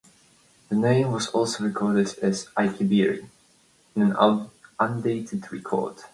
The name was also recorded as "Eikberei" in an undated record.